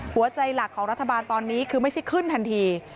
หลักของรัฐบาลตอนนี้คือไม่ใช่ขึ้นทันที